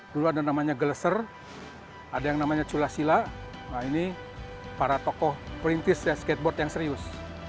dulu ada namanya gleser ada yang namanya culasila nah ini para tokoh perintis ya skateboard yang serius